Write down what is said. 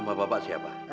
nama bapak siapa